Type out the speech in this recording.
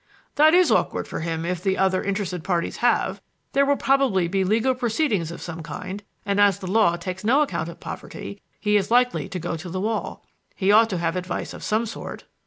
"That is awkward for him if the other interested parties have. There will probably be legal proceedings of some kind, and as the law takes no account of poverty, he is likely to go to the wall. He ought to have advice of some sort."